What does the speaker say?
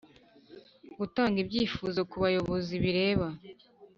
gutanga ibyifuzo ku bayobozi bireba